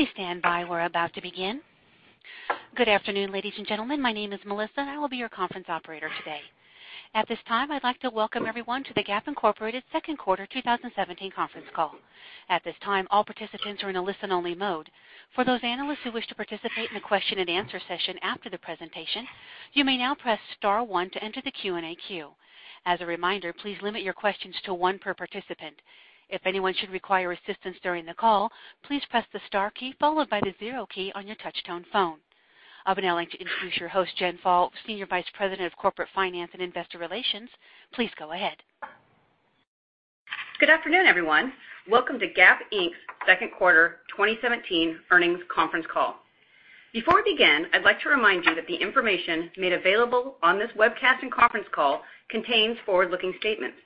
Please stand by. We are about to begin. Good afternoon, ladies and gentlemen. My name is Melissa. I will be your conference operator today. At this time, I would like to welcome everyone to the Gap Inc. second quarter 2017 conference call. At this time, all participants are in a listen only mode. For those analysts who wish to participate in the question and answer session after the presentation, you may now press star one to enter the Q&A queue. As a reminder, please limit your questions to one per participant. If anyone should require assistance during the call, please press the star key followed by the zero key on your touchtone phone. I would now like to introduce your host, Tina Romani, Senior Vice President of Corporate Finance and Investor Relations. Please go ahead. Good afternoon, everyone. Welcome to Gap Inc.'s Second Quarter 2017 Earnings Conference Call. Before we begin, I would like to remind you that the information made available on this webcast and conference call contains forward-looking statements.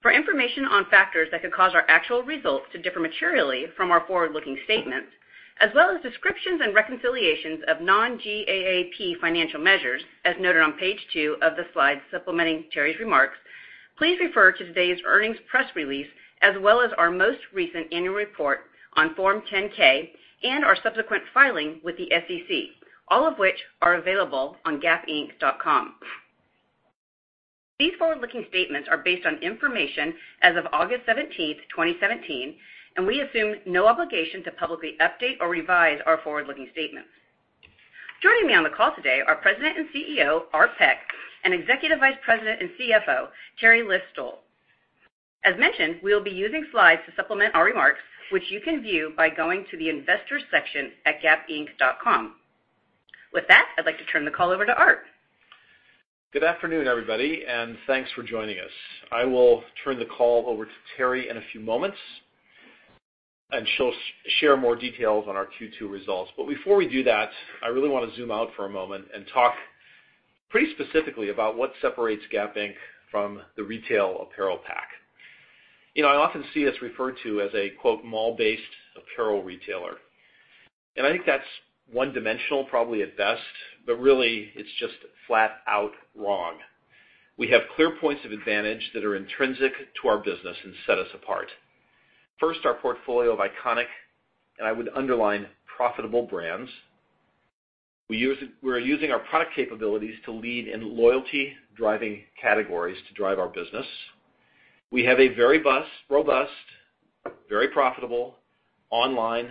For information on factors that could cause our actual results to differ materially from our forward-looking statements, as well as descriptions and reconciliations of non-GAAP financial measures, as noted on page two of the slides supplementing Teri's remarks, please refer to today's earnings press release, as well as our most recent annual report on Form 10-K and our subsequent filing with the SEC, all of which are available on gapinc.com. These forward-looking statements are based on information as of August 17th, 2017, and we assume no obligation to publicly update or revise our forward-looking statements. Joining me on the call today are President and CEO, Art Peck, and Executive Vice President and CFO, Teri List-Stoll. As mentioned, we will be using slides to supplement our remarks, which you can view by going to the Investors section at gapinc.com. With that, I would like to turn the call over to Art. Good afternoon, everybody, and thanks for joining us. I will turn the call over to Teri in a few moments, and she will share more details on our Q2 results. But before we do that, I really want to zoom out for a moment and talk pretty specifically about what separates Gap Inc. from the retail apparel pack. I often see us referred to as a, quote, "mall-based apparel retailer." And I think that's one-dimensional probably at best, but really it's just flat out wrong. We have clear points of advantage that are intrinsic to our business and set us apart. First, our portfolio of iconic, and I would underline profitable brands. We are using our product capabilities to lead in loyalty driving categories to drive our business. We have a very robust, very profitable online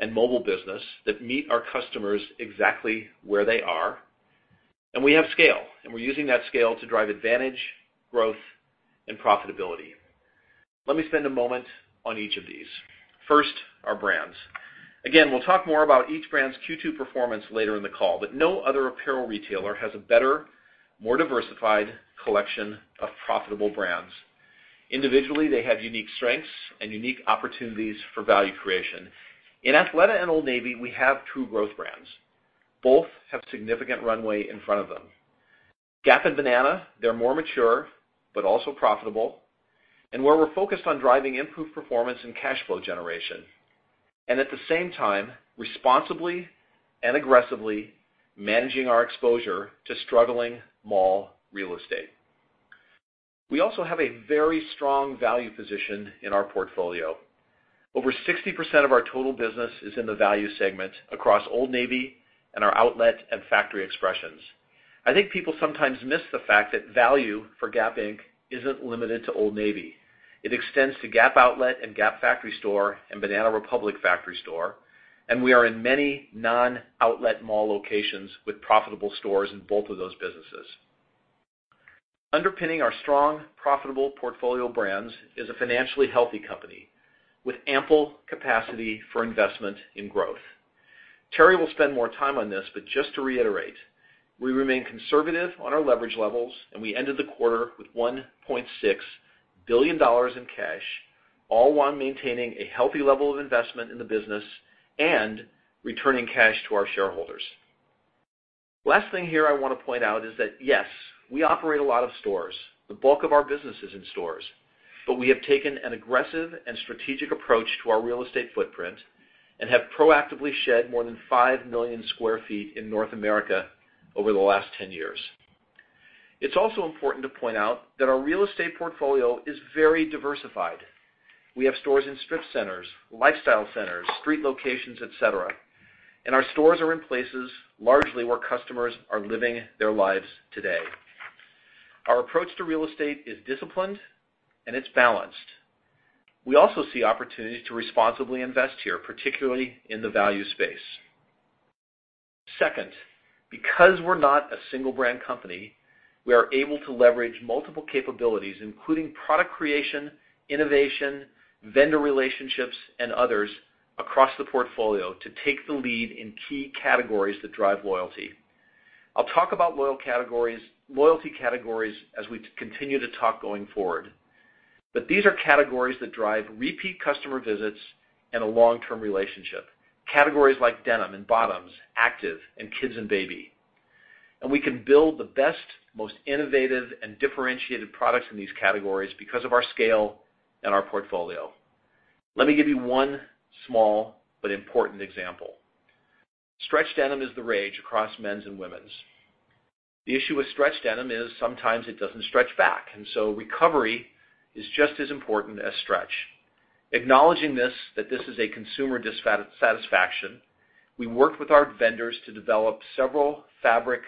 and mobile business that meet our customers exactly where they are. We have scale, and we are using that scale to drive advantage, growth, and profitability. Let me spend a moment on each of these. First, our brands. Again, we will talk more about each brand's Q2 performance later in the call, but no other apparel retailer has a better, more diversified collection of profitable brands. Individually, they have unique strengths and unique opportunities for value creation. In Athleta and Old Navy, we have two growth brands. Both have significant runway in front of them. Gap and Banana, they are more mature, but also profitable, and where we are focused on driving improved performance and cash flow generation. At the same time, responsibly and aggressively managing our exposure to struggling mall real estate. We also have a very strong value position in our portfolio. Over 60% of our total business is in the value segment across Old Navy and our outlet and factory expressions. I think people sometimes miss the fact that value for Gap Inc. isn't limited to Old Navy. It extends to Gap Outlet and Gap Factory Store and Banana Republic Factory Store, and we are in many non-outlet mall locations with profitable stores in both of those businesses. Underpinning our strong, profitable portfolio brands is a financially healthy company with ample capacity for investment in growth. Teri will spend more time on this, but just to reiterate, we remain conservative on our leverage levels, and we ended the quarter with $1.6 billion in cash, all while maintaining a healthy level of investment in the business and returning cash to our shareholders. Last thing here I want to point out is that, yes, we operate a lot of stores. The bulk of our business is in stores. We have taken an aggressive and strategic approach to our real estate footprint and have proactively shed more than 5 million square feet in North America over the last 10 years. It's also important to point out that our real estate portfolio is very diversified. We have stores in strip centers, lifestyle centers, street locations, et cetera. Our stores are in places largely where customers are living their lives today. Our approach to real estate is disciplined, and it's balanced. We also see opportunities to responsibly invest here, particularly in the value space. Second, because we are not a single brand company, we are able to leverage multiple capabilities, including product creation, innovation, vendor relationships, and others across the portfolio to take the lead in key categories that drive loyalty. I will talk about loyalty categories as we continue to talk going forward. But these are categories that drive repeat customer visits and a long-term relationship. Categories like denim and bottoms, active, and kids and baby. We can build the best, most innovative, and differentiated products in these categories because of our scale and our portfolio. Let me give you one small but important example. Stretched denim is the rage across men's and women's. The issue with stretched denim is sometimes it doesn't stretch back, and so recovery is just as important as stretch. Acknowledging this, that this is a consumer dissatisfaction, we worked with our vendors to develop several fabrics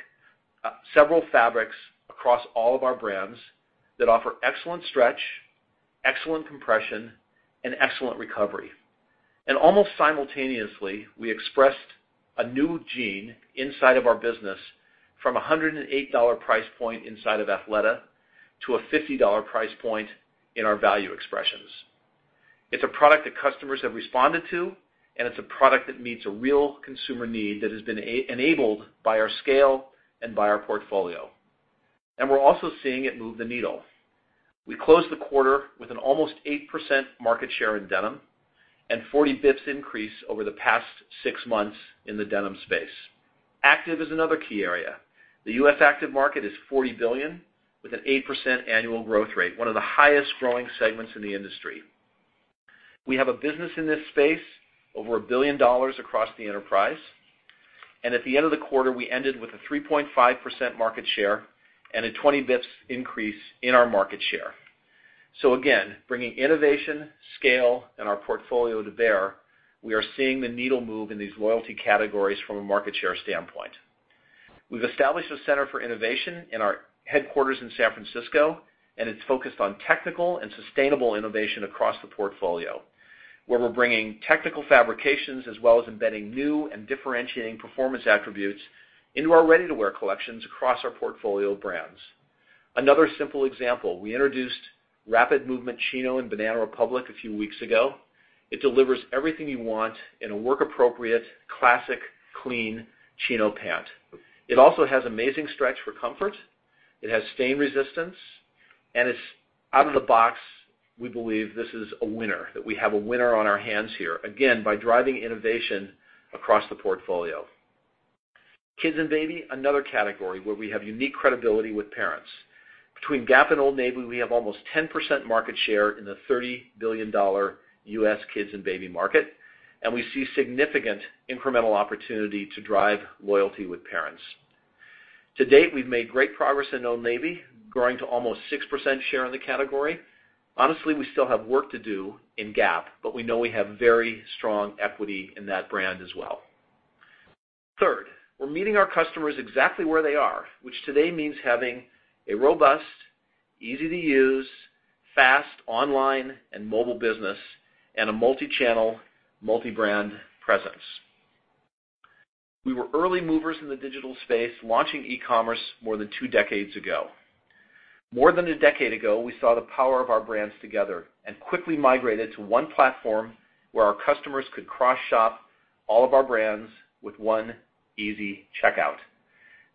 across all of our brands that offer excellent stretch, excellent compression, and excellent recovery. Almost simultaneously, we expressed a new jean inside of our business from $108 price point inside of Athleta to a $50 price point in our value expressions. It's a product that customers have responded to, and it's a product that meets a real consumer need that has been enabled by our scale and by our portfolio. We're also seeing it move the needle. We closed the quarter with an almost 8% market share in denim and 40 basis points increase over the past six months in the denim space. Active is another key area. The U.S. active market is $40 billion with an 8% annual growth rate, one of the highest growing segments in the industry. We have a business in this space, over $1 billion across the enterprise. At the end of the quarter, we ended with a 3.5% market share and a 20 basis points increase in our market share. Again, bringing innovation, scale, and our portfolio to bear, we are seeing the needle move in these loyalty categories from a market share standpoint. We've established a center for innovation in our headquarters in San Francisco. It's focused on technical and sustainable innovation across the portfolio, where we're bringing technical fabrications as well as embedding new and differentiating performance attributes into our ready-to-wear collections across our portfolio of brands. Another simple example, we introduced Rapid Movement Chino in Banana Republic a few weeks ago. It delivers everything you want in a work appropriate, classic, clean chino pant. It also has amazing stretch for comfort. It has stain resistance. It's out of the box. We believe this is a winner, that we have a winner on our hands here, again, by driving innovation across the portfolio. Kids and baby, another category where we have unique credibility with parents. Between Gap and Old Navy, we have almost 10% market share in the $30 billion U.S. kids and baby market. We see significant incremental opportunity to drive loyalty with parents. To date, we've made great progress in Old Navy, growing to almost 6% share in the category. Honestly, we still have work to do in Gap, but we know we have very strong equity in that brand as well. Third, we're meeting our customers exactly where they are, which today means having a robust, easy-to-use, fast online and mobile business and a multi-channel, multi-brand presence. We were early movers in the digital space, launching e-commerce more than two decades ago. More than a decade ago, we saw the power of our brands together and quickly migrated to one platform where our customers could cross-shop all of our brands with one easy checkout.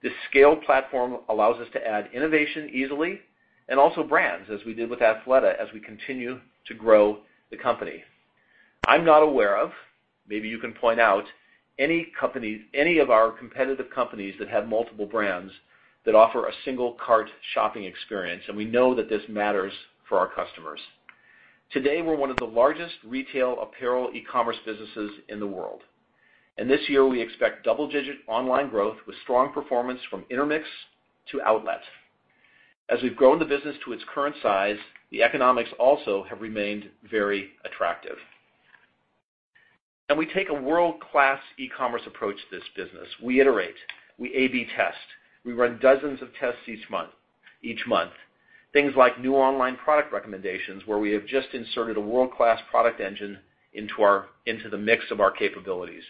This scaled platform allows us to add innovation easily and also brands, as we did with Athleta, as we continue to grow the company. I'm not aware of, maybe you can point out, any of our competitive companies that have multiple brands that offer a single cart shopping experience. We know that this matters for our customers. Today, we're one of the largest retail apparel e-commerce businesses in the world. This year, we expect double-digit online growth with strong performance from Intermix to outlet. As we've grown the business to its current size, the economics also have remained very attractive. We take a world-class e-commerce approach to this business. We iterate, we A/B test. We run dozens of tests each month. Things like new online product recommendations where we have just inserted a world-class product engine into the mix of our capabilities.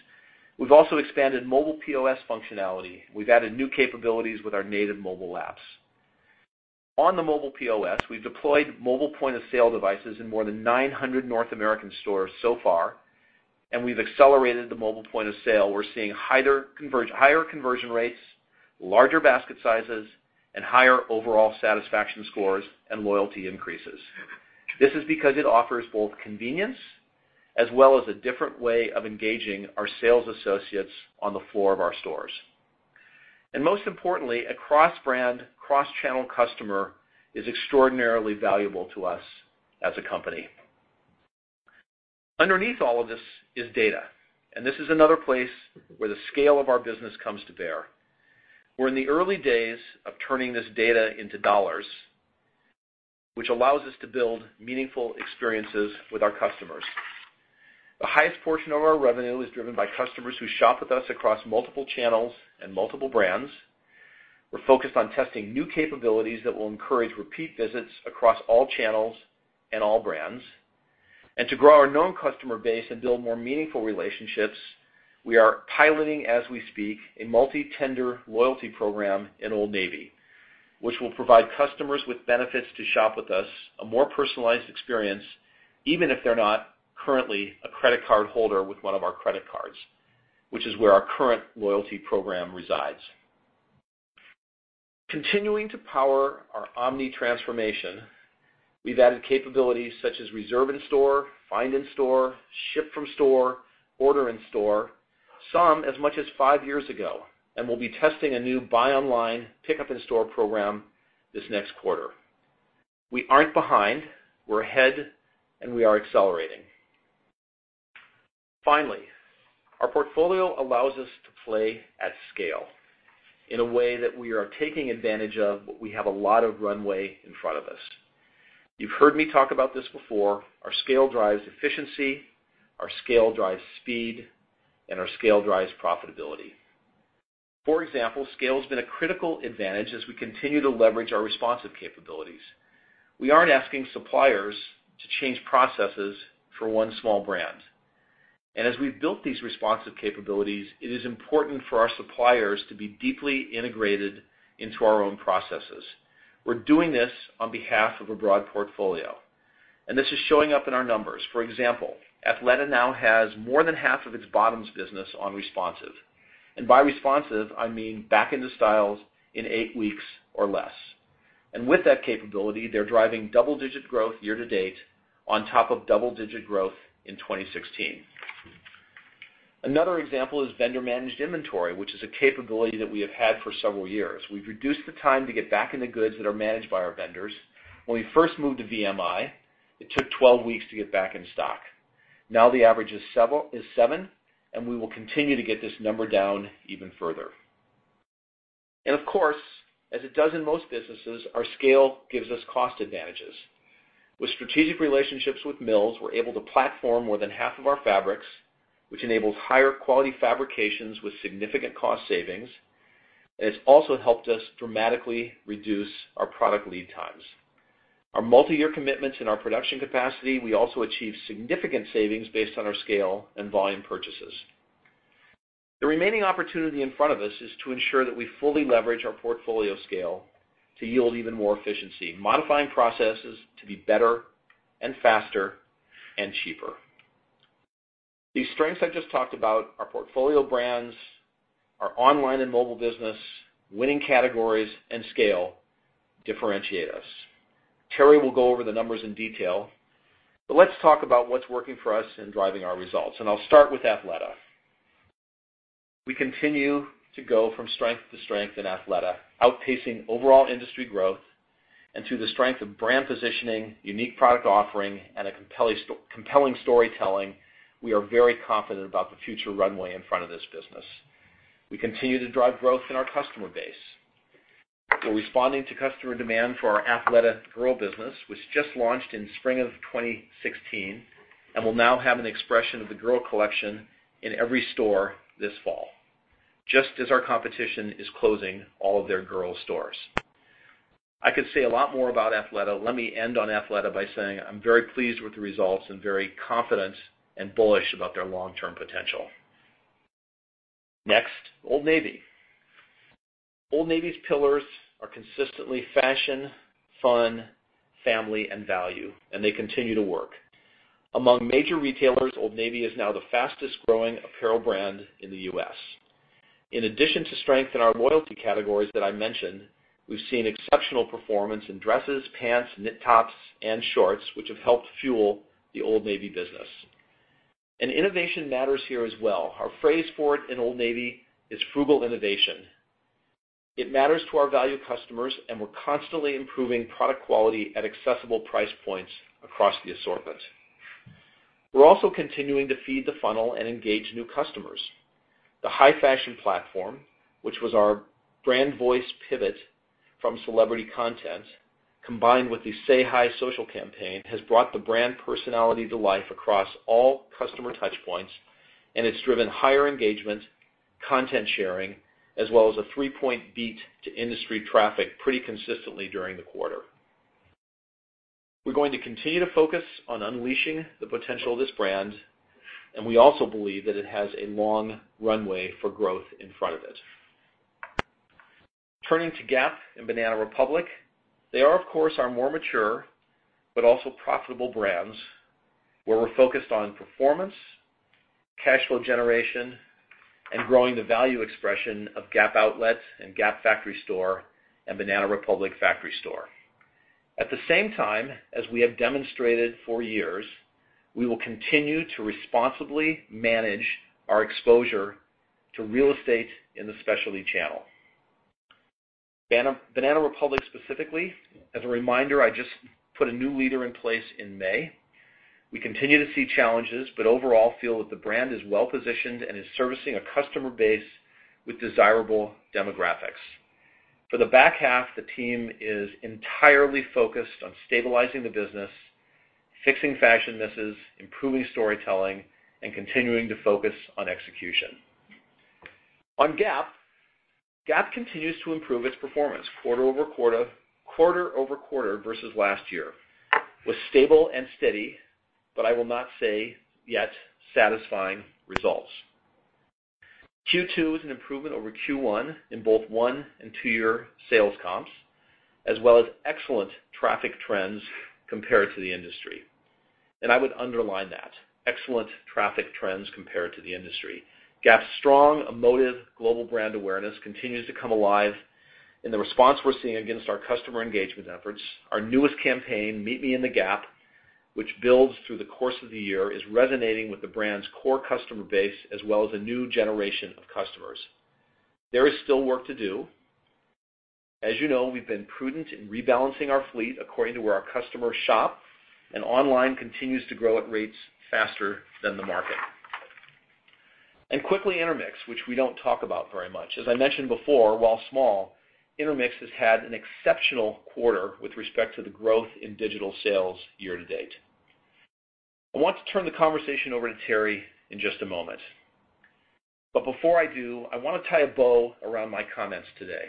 We've also expanded mobile POS functionality. We've added new capabilities with our native mobile apps. On the mobile POS, we've deployed mobile point of sale devices in more than 900 North American stores so far, and we've accelerated the mobile point of sale. We're seeing higher conversion rates, larger basket sizes, and higher overall satisfaction scores and loyalty increases. This is because it offers both convenience as well as a different way of engaging our sales associates on the floor of our stores. Most importantly, a cross-brand, cross-channel customer is extraordinarily valuable to us as a company. Underneath all of this is data, this is another place where the scale of our business comes to bear. We're in the early days of turning this data into dollars, which allows us to build meaningful experiences with our customers. The highest portion of our revenue is driven by customers who shop with us across multiple channels and multiple brands. We're focused on testing new capabilities that will encourage repeat visits across all channels and all brands. To grow our known customer base and build more meaningful relationships, we are piloting, as we speak, a multi-tender loyalty program in Old Navy, which will provide customers with benefits to shop with us a more personalized experience, even if they're not currently a credit card holder with one of our credit cards, which is where our current loyalty program resides. Continuing to power our omni transformation, we've added capabilities such as reserve in store, find in store, ship from store, order in store, some as much as five years ago. We'll be testing a new buy online, pick up in store program this next quarter. We aren't behind, we're ahead, and we are accelerating. Finally, our portfolio allows us to play at scale in a way that we are taking advantage of, but we have a lot of runway in front of us. You've heard me talk about this before. Our scale drives efficiency, our scale drives speed, and our scale drives profitability. For example, scale has been a critical advantage as we continue to leverage our responsive capabilities. We aren't asking suppliers to change processes for one small brand. As we've built these responsive capabilities, it is important for our suppliers to be deeply integrated into our own processes. We're doing this on behalf of a broad portfolio, this is showing up in our numbers. For example, Athleta now has more than half of its bottoms business on responsive. By responsive, I mean back into styles in eight weeks or less. With that capability, they're driving double-digit growth year-to-date on top of double-digit growth in 2016. Another example is vendor-managed inventory, which is a capability that we have had for several years. We've reduced the time to get back into goods that are managed by our vendors. When we first moved to VMI, it took 12 weeks to get back in stock. Now the average is seven, and we will continue to get this number down even further. Of course, as it does in most businesses, our scale gives us cost advantages. With strategic relationships with mills, we're able to platform more than half of our fabrics, which enables higher quality fabrications with significant cost savings. It's also helped us dramatically reduce our product lead times. Our multi-year commitments and our production capacity, we also achieve significant savings based on our scale and volume purchases. The remaining opportunity in front of us is to ensure that we fully leverage our portfolio scale to yield even more efficiency, modifying processes to be better and faster and cheaper. The strengths I just talked about, our portfolio brands, our online and mobile business, winning categories, and scale differentiate us. Teri will go over the numbers in detail, but let's talk about what's working for us in driving our results, and I'll start with Athleta. We continue to go from strength to strength in Athleta, outpacing overall industry growth and to the strength of brand positioning, unique product offering, and a compelling storytelling. We are very confident about the future runway in front of this business. We continue to drive growth in our customer base. We're responding to customer demand for our Athleta Girl business, which just launched in spring of 2016 and will now have an expression of the girl collection in every store this fall. Just as our competition is closing all of their girl stores. I could say a lot more about Athleta. Let me end on Athleta by saying I'm very pleased with the results and very confident and bullish about their long-term potential. Next, Old Navy. Old Navy's pillars are consistently fashion, fun, family, and value, and they continue to work. Among major retailers, Old Navy is now the fastest-growing apparel brand in the U.S. In addition to strength in our loyalty categories that I mentioned, we've seen exceptional performance in dresses, pants, knit tops, and shorts, which have helped fuel the Old Navy business. Innovation matters here as well. Our phrase for it in Old Navy is frugal innovation. It matters to our value customers, and we're constantly improving product quality at accessible price points across the assortment. We're also continuing to feed the funnel and engage new customers. The high-fashion platform, which was our brand voice pivot from celebrity content, combined with the Say Hi social campaign, has brought the brand personality to life across all customer touchpoints, and it's driven higher engagement, content sharing, as well as a three-point beat to industry traffic pretty consistently during the quarter. We're going to continue to focus on unleashing the potential of this brand. We also believe that it has a long runway for growth in front of it. Turning to Gap and Banana Republic, they are, of course, our more mature but also profitable brands, where we're focused on performance, cash flow generation, and growing the value expression of Gap Outlet and Gap Factory Store and Banana Republic Factory Store. At the same time, as we have demonstrated for years, we will continue to responsibly manage our exposure to real estate in the specialty channel. Banana Republic specifically, as a reminder, I just put a new leader in place in May. Overall feel that the brand is well-positioned and is servicing a customer base with desirable demographics. For the back half, the team is entirely focused on stabilizing the business, fixing fashion misses, improving storytelling, and continuing to focus on execution. Gap continues to improve its performance quarter-over-quarter versus last year, with stable and steady, but I will not say yet satisfying results. Q2 is an improvement over Q1 in both one- and two-year sales comps, as well as excellent traffic trends compared to the industry. I would underline that. Excellent traffic trends compared to the industry. Gap's strong, emotive global brand awareness continues to come alive in the response we're seeing against our customer engagement efforts. Our newest campaign, Meet Me in the Gap, which builds through the course of the year, is resonating with the brand's core customer base as well as a new generation of customers. There is still work to do. As you know, we've been prudent in rebalancing our fleet according to where our customers shop, and online continues to grow at rates faster than the market. Quickly, Intermix, which we don't talk about very much. As I mentioned before, while small, Intermix has had an exceptional quarter with respect to the growth in digital sales year-to-date. I want to turn the conversation over to Teri in just a moment. Before I do, I want to tie a bow around my comments today.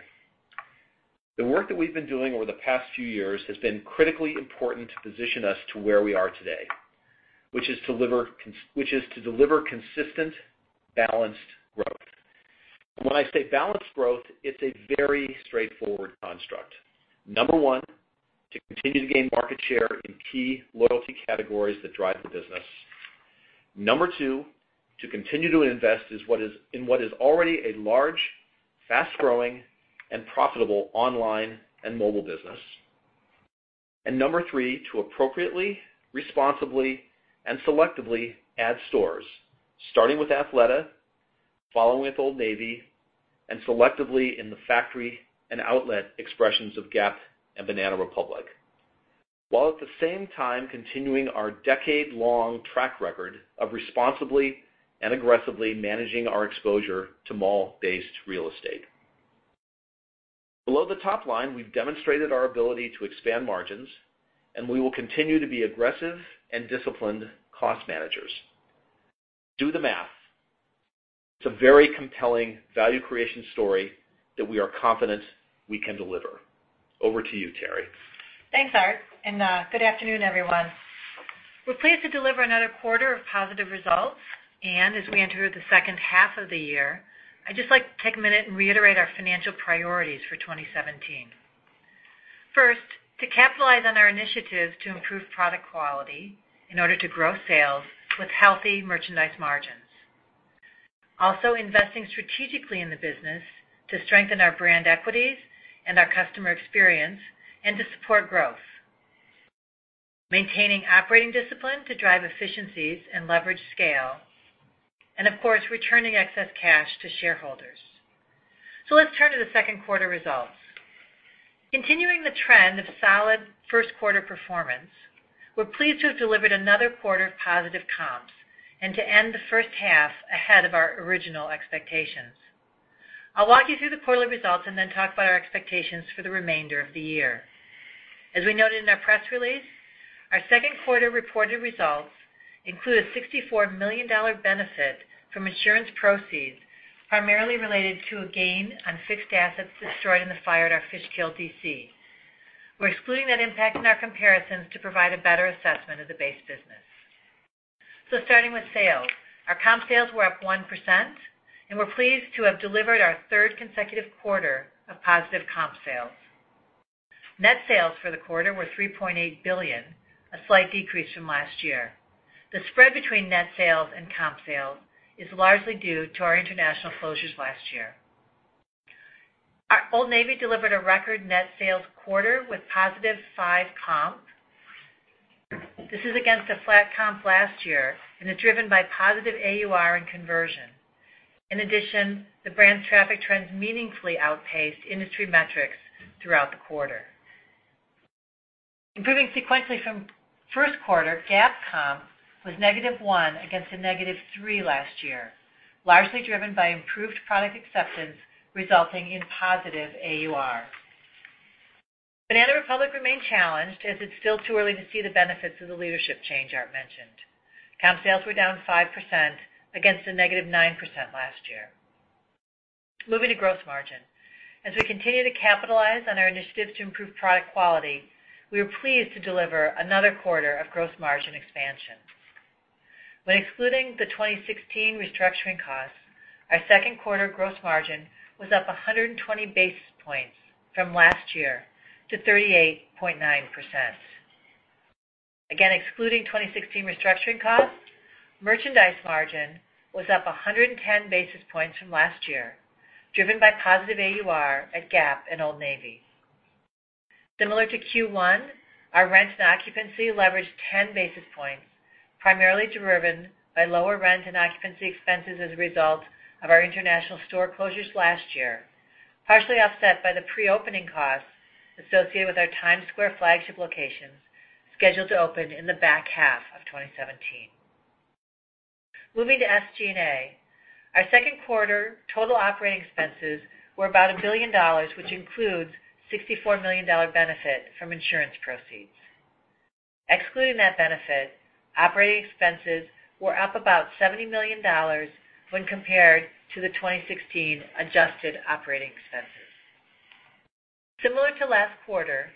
The work that we've been doing over the past few years has been critically important to position us to where we are today, which is to deliver consistent, balanced growth. When I say balanced growth, it's a very straightforward construct. Number 1, to continue to gain market share in key loyalty categories that drive the business. Number 2, to continue to invest in what is already a large, fast-growing, and profitable online and mobile business. Number 3, to appropriately, responsibly, and selectively add stores, starting with Athleta, following with Old Navy, and selectively in the factory and outlet expressions of Gap and Banana Republic. While at the same time continuing our decade-long track record of responsibly and aggressively managing our exposure to mall-based real estate. Below the top line, we've demonstrated our ability to expand margins, and we will continue to be aggressive and disciplined cost managers. Do the math. It's a very compelling value creation story that we are confident we can deliver. Over to you, Teri. Thanks, Art. Good afternoon, everyone. We're pleased to deliver another quarter of positive results. As we enter the second half of the year, I'd just like to take a minute and reiterate our financial priorities for 2017. First, to capitalize on our initiatives to improve product quality in order to grow sales with healthy merchandise margins. Also, investing strategically in the business to strengthen our brand equities and our customer experience, and to support growth. Maintaining operating discipline to drive efficiencies and leverage scale, and of course, returning excess cash to shareholders. Let's turn to the second quarter results. Continuing the trend of solid first quarter performance, we're pleased to have delivered another quarter of positive comps and to end the first half ahead of our original expectations. I'll walk you through the quarterly results and then talk about our expectations for the remainder of the year. As we noted in our press release, our second quarter reported results include a $64 million benefit from insurance proceeds, primarily related to a gain on fixed assets destroyed in the fire at our Fishkill DC. We're excluding that impact in our comparisons to provide a better assessment of the base business. Starting with sales. Our comp sales were up 1%, and we're pleased to have delivered our third consecutive quarter of positive comp sales. Net sales for the quarter were $3.8 billion, a slight decrease from last year. The spread between net sales and comp sales is largely due to our international closures last year. Old Navy delivered a record net sales quarter with positive five comp. This is against a flat comp last year, and is driven by positive AUR and conversion. In addition, the brand's traffic trends meaningfully outpaced industry metrics throughout the quarter. Improving sequentially from first quarter, Gap comp was -1% against a -3% last year, largely driven by improved product acceptance, resulting in positive AUR. Banana Republic remained challenged, as it's still too early to see the benefits of the leadership change Art mentioned. Comp sales were down 5% against a -9% last year. Gross margin. As we continue to capitalize on our initiatives to improve product quality, we are pleased to deliver another quarter of gross margin expansion. When excluding the 2016 restructuring costs, our second quarter gross margin was up 120 basis points from last year to 38.9%. Again, excluding 2016 restructuring costs, merchandise margin was up 110 basis points from last year, driven by positive AUR at Gap and Old Navy. Similar to Q1, our rent and occupancy leveraged 10 basis points, primarily driven by lower rent and occupancy expenses as a result of our international store closures last year, partially offset by the pre-opening costs associated with our Times Square flagship location, scheduled to open in the back half of 2017. SG&A. Our second quarter total operating expenses were about $1 billion, which includes $64 million benefit from insurance proceeds. Excluding that benefit, operating expenses were up about $70 million when compared to the 2016 adjusted operating expenses. Similar to last quarter,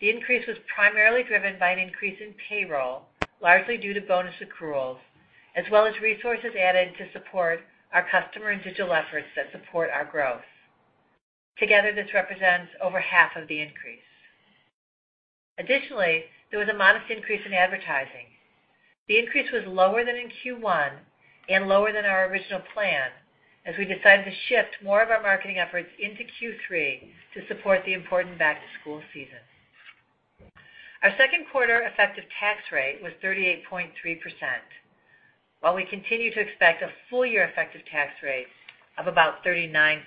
the increase was primarily driven by an increase in payroll, largely due to bonus accruals, as well as resources added to support our customer and digital efforts that support our growth. Together, this represents over half of the increase. Additionally, there was a modest increase in advertising. The increase was lower than in Q1 and lower than our original plan, as we decided to shift more of our marketing efforts into Q3 to support the important back-to-school season. Our second quarter effective tax rate was 38.3%, while we continue to expect a full year effective tax rate of about 39%.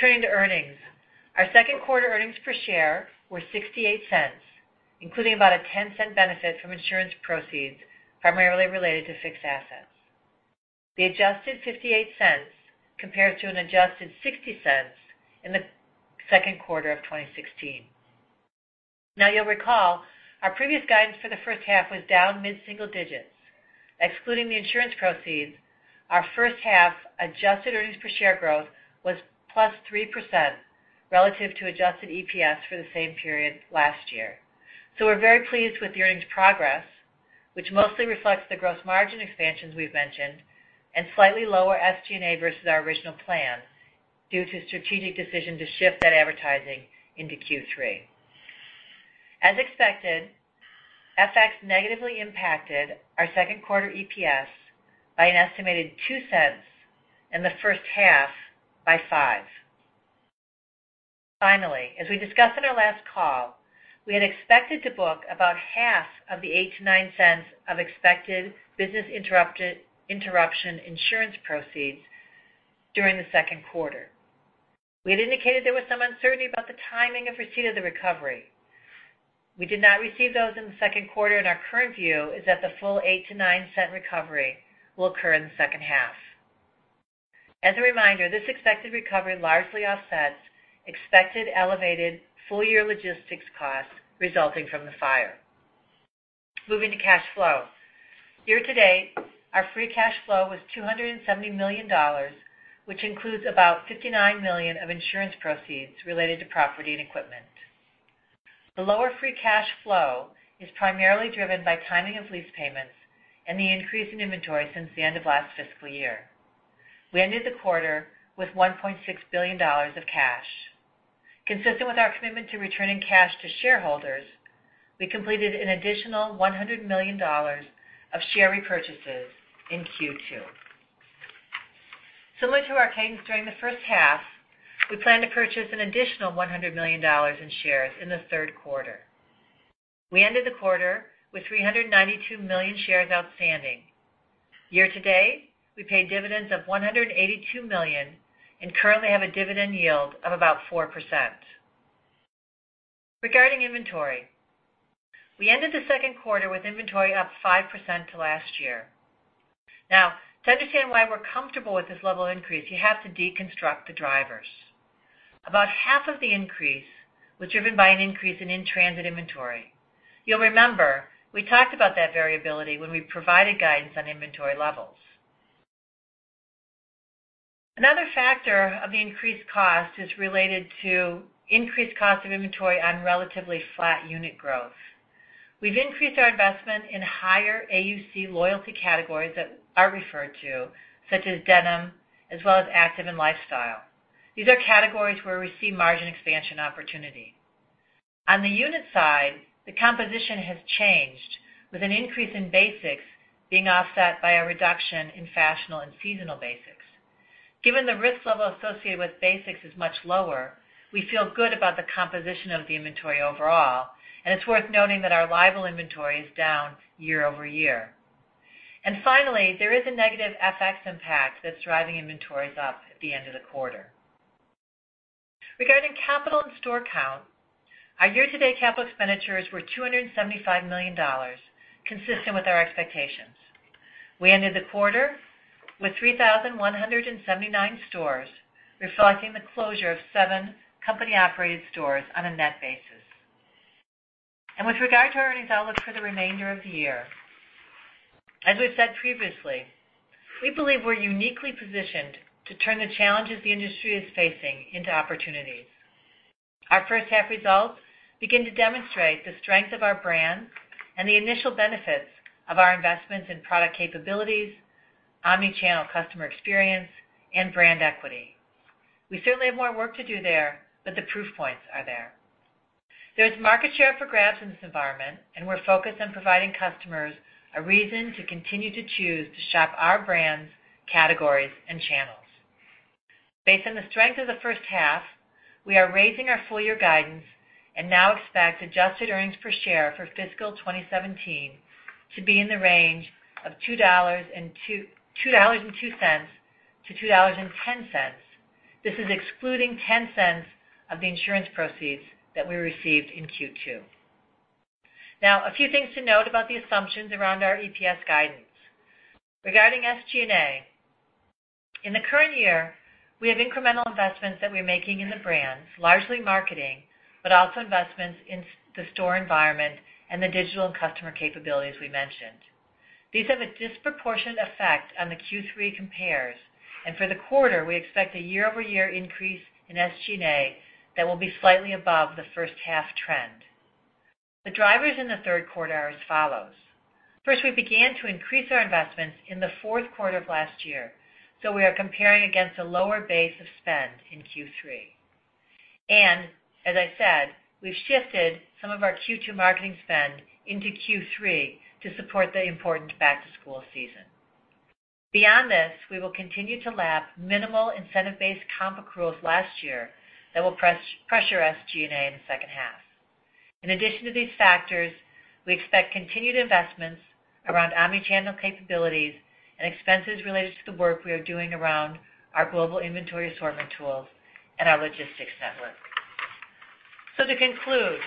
Turning to earnings. Our second quarter earnings per share were $0.68, including about a $0.10 benefit from insurance proceeds, primarily related to fixed assets. The adjusted $0.58 compares to an adjusted $0.60 in the second quarter of 2016. You'll recall our previous guidance for the first half was down mid-single digits. Excluding the insurance proceeds, our first half adjusted earnings per share growth was plus 3% relative to adjusted EPS for the same period last year. We're very pleased with the earnings progress, which mostly reflects the gross margin expansions we've mentioned and slightly lower SG&A versus our original plan due to a strategic decision to shift that advertising into Q3. As expected, FX negatively impacted our second quarter EPS by an estimated $0.02, and the first half by $0.05. Finally, as we discussed on our last call, we had expected to book about half of the $0.08-$0.09 of expected business interruption insurance proceeds during the second quarter. We had indicated there was some uncertainty about the timing of receipt of the recovery. We did not receive those in the second quarter, and our current view is that the full $0.08-$0.09 recovery will occur in the second half. As a reminder, this expected recovery largely offsets expected elevated full-year logistics costs resulting from the fire. Moving to cash flow. Year to date, our free cash flow was $270 million, which includes about $59 million of insurance proceeds related to property and equipment. The lower free cash flow is primarily driven by timing of lease payments and the increase in inventory since the end of last fiscal year. We ended the quarter with $1.6 billion of cash. Consistent with our commitment to returning cash to shareholders, we completed an additional $100 million of share repurchases in Q2. Similar to our cadence during the first half, we plan to purchase an additional $100 million in shares in the third quarter. We ended the quarter with 392 million shares outstanding. Year to date, we paid dividends of $182 million and currently have a dividend yield of about 4%. Regarding inventory, we ended the second quarter with inventory up 5% to last year. To understand why we're comfortable with this level of increase, you have to deconstruct the drivers. About half of the increase was driven by an increase in in-transit inventory. You'll remember we talked about that variability when we provided guidance on inventory levels. Another factor of the increased cost is related to increased cost of inventory on relatively flat unit growth. We've increased our investment in higher AUC loyalty categories that are referred to, such as denim, as well as active and lifestyle. These are categories where we see margin expansion opportunity. On the unit side, the composition has changed, with an increase in basics being offset by a reduction in fashionable and seasonal basics. Given the risk level associated with basics is much lower, we feel good about the composition of the inventory overall, and it's worth noting that our liable inventory is down year-over-year. Finally, there is a negative FX impact that's driving inventories up at the end of the quarter. Regarding capital and store count, our year-to-date capital expenditures were $275 million, consistent with our expectations. We ended the quarter with 3,179 stores, reflecting the closure of seven company-operated stores on a net basis. With regard to our earnings outlook for the remainder of the year, as we've said previously, we believe we're uniquely positioned to turn the challenges the industry is facing into opportunities. Our first half results begin to demonstrate the strength of our brands and the initial benefits of our investments in product capabilities, omni-channel customer experience, and brand equity. We certainly have more work to do there, but the proof points are there. There's market share up for grabs in this environment, and we're focused on providing customers a reason to continue to choose to shop our brands, categories, and channels. Based on the strength of the first half, we are raising our full year guidance and now expect adjusted EPS for fiscal 2017 to be in the range of $2.02 to $2.10. This is excluding $0.10 of the insurance proceeds that we received in Q2. A few things to note about the assumptions around our EPS guidance. Regarding SG&A, in the current year, we have incremental investments that we are making in the brands, largely marketing, but also investments in the store environment and the digital and customer capabilities we mentioned. These have a disproportionate effect on the Q3 compares, and for the quarter, we expect a year-over-year increase in SG&A that will be slightly above the first-half trend. The drivers in the third quarter are as follows. First, we began to increase our investments in the fourth quarter of last year, so we are comparing against a lower base of spend in Q3. As I said, we've shifted some of our Q2 marketing spend into Q3 to support the important back-to-school season. We will continue to lap minimal incentive-based comp accruals last year that will pressure SG&A in the second half. In addition to these factors, we expect continued investments around omni-channel capabilities and expenses related to the work we are doing around our global inventory assortment tools and our logistics network. To conclude,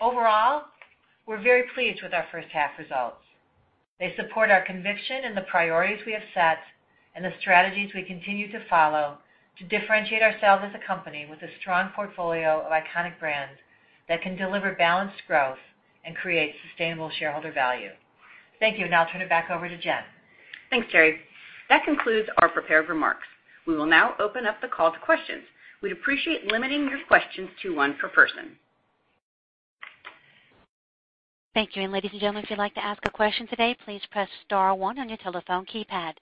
overall, we're very pleased with our first-half results. They support our conviction in the priorities we have set and the strategies we continue to follow to differentiate ourselves as a company with a strong portfolio of iconic brands that can deliver balanced growth and create sustainable shareholder value. Thank you, and I'll turn it back over to Tina. Thanks, Teri. That concludes our prepared remarks. We will now open up the call to questions. We'd appreciate limiting your questions to one per person. Thank you. Ladies and gentlemen, if you'd like to ask a question today, please press star one on your telephone keypad.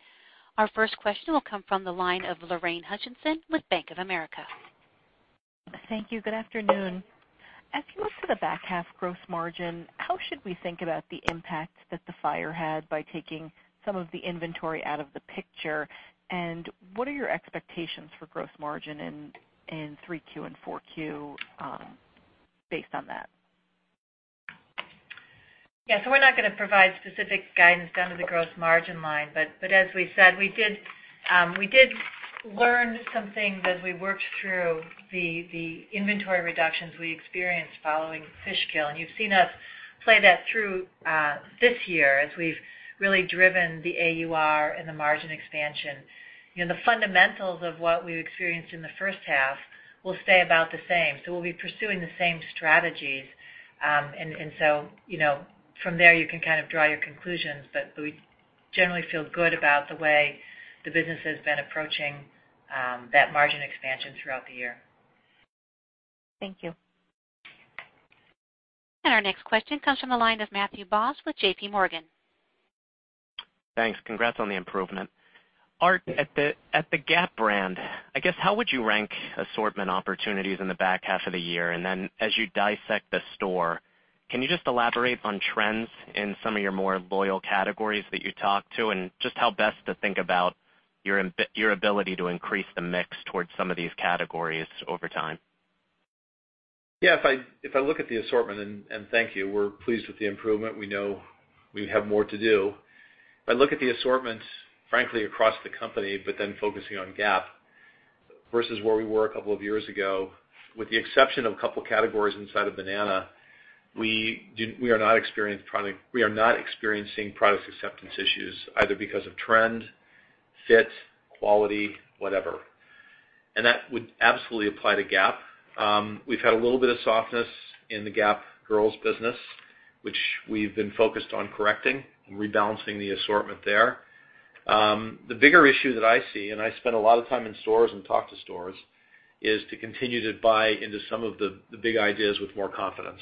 Our first question will come from the line of Lorraine Hutchinson with Bank of America. Thank you. Good afternoon. As you look to the back half gross margin, how should we think about the impact that the fire had by taking some of the inventory out of the picture? What are your expectations for gross margin in 3Q and 4Q based on that? Yeah. We're not going to provide specific guidance down to the gross margin line. As we said, we did learn some things as we worked through the inventory reductions we experienced following Fishkill. You've seen us play that through this year as we've really driven the AUR and the margin expansion. The fundamentals of what we've experienced in the first half will stay about the same. We'll be pursuing the same strategies. From there, you can kind of draw your conclusions, but we generally feel good about the way the business has been approaching that margin expansion throughout the year. Thank you. Our next question comes from the line of Matthew Boss with JPMorgan. Thanks. Congrats on the improvement. Art, at the Gap brand, I guess, how would you rank assortment opportunities in the back half of the year? As you dissect the store, can you just elaborate on trends in some of your more loyal categories that you talk to, and just how best to think about your ability to increase the mix towards some of these categories over time? Yeah. If I look at the assortment, thank you, we're pleased with the improvement. We know we have more to do. If I look at the assortments, frankly, across the company, focusing on Gap versus where we were a couple of years ago, with the exception of a couple of categories inside of Banana, we are not experiencing product acceptance issues either because of trend, fit, quality, whatever. That would absolutely apply to Gap. We've had a little bit of softness in the Gap girls business, which we've been focused on correcting and rebalancing the assortment there. The bigger issue that I see, I spend a lot of time in stores and talk to stores, is to continue to buy into some of the big ideas with more confidence.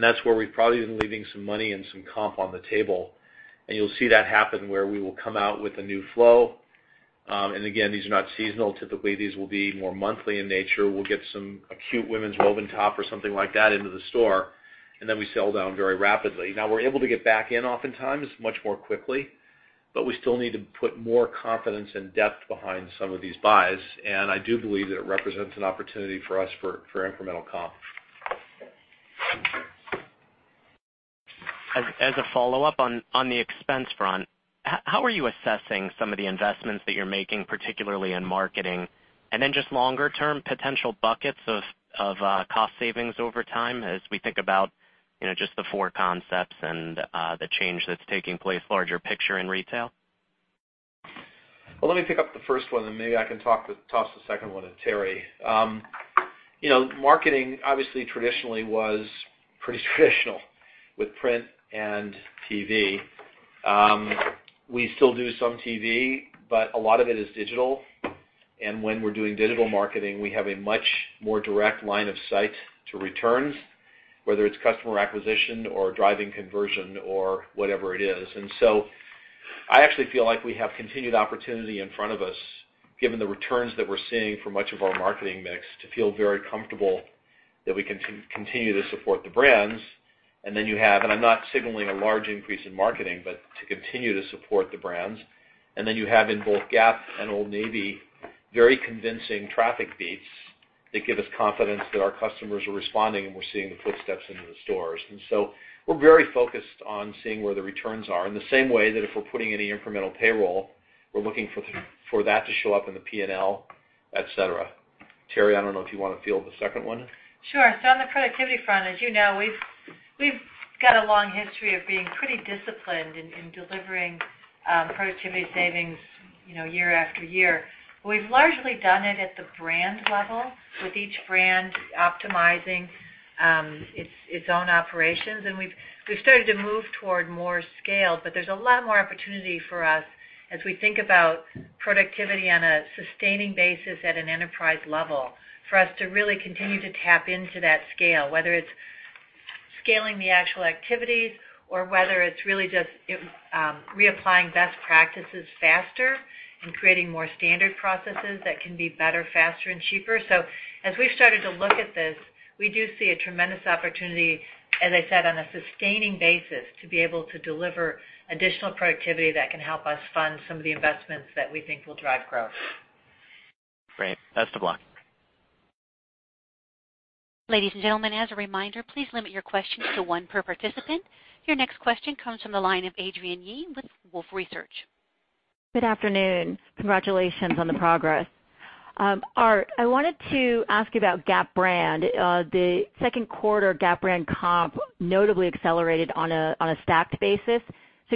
That's where we've probably been leaving some money and some comp on the table. You'll see that happen where we will come out with a new flow. Again, these are not seasonal. Typically, these will be more monthly in nature. We'll get some acute women's woven top or something like that into the store. Then we sell down very rapidly. Now, we're able to get back in oftentimes much more quickly, but we still need to put more confidence and depth behind some of these buys. I do believe that it represents an opportunity for us for incremental comp. As a follow-up on the expense front, how are you assessing some of the investments that you're making, particularly in marketing and then just longer-term potential buckets of cost savings over time as we think about just the four concepts and the change that's taking place larger picture in retail? Well, let me pick up the first one, and maybe I can toss the second one to Teri. Marketing obviously traditionally was pretty traditional with print and TV. We still do some TV, but a lot of it is digital. When we're doing digital marketing, we have a much more direct line of sight to returns, whether it's customer acquisition or driving conversion or whatever it is. So I actually feel like we have continued opportunity in front of us, given the returns that we're seeing for much of our marketing mix, to feel very comfortable that we can continue to support the brands. I'm not signaling a large increase in marketing, but to continue to support the brands. Then you have in both Gap and Old Navy, very convincing traffic beats that give us confidence that our customers are responding, and we're seeing the footsteps into the stores. So we're very focused on seeing where the returns are. In the same way that if we're putting any incremental payroll, we're looking for that to show up in the P&L, et cetera. Teri, I don't know if you want to field the second one. Sure. On the productivity front, as you know, we've got a long history of being pretty disciplined in delivering productivity savings year after year. We've largely done it at the brand level, with each brand optimizing its own operations. We've started to move toward more scale, but there's a lot more opportunity for us as we think about productivity on a sustaining basis at an enterprise level, for us to really continue to tap into that scale, whether it's scaling the actual activities or whether it's really just reapplying best practices faster. Creating more standard processes that can be better, faster, and cheaper. As we've started to look at this, we do see a tremendous opportunity, as I said, on a sustaining basis to be able to deliver additional productivity that can help us fund some of the investments that we think will drive growth. Great. Best of luck. Ladies and gentlemen, as a reminder, please limit your questions to one per participant. Your next question comes from the line of Adrienne Yih with Wolfe Research. Good afternoon. Congratulations on the progress. Art, I wanted to ask about Gap brand. The second quarter Gap brand comp notably accelerated on a stacked basis.